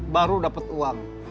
baru dapat uang